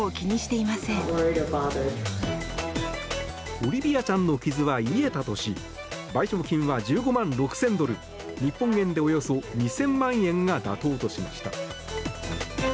オリビアちゃんの傷は癒えたとし賠償金は１５万６０００ドル日本円でおよそ２０００万円が妥当としました。